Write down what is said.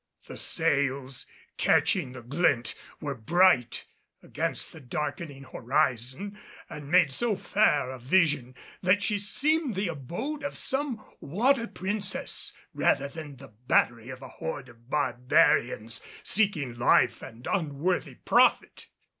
The sails, catching the glint, were bright against the darkening horizon, and made so fair a vision that she seemed the abode of some water princess rather than the battery of a horde of barbarians seeking life and unworthy profit.